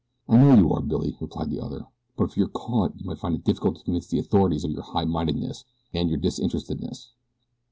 "I know you are, Billy," replied the other; "but if you're caught you might find it difficult to convince the authorities of your highmindedness and your disinterestedness."